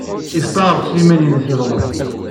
Yesteɛṛef s yiman-nnes yeḍlem?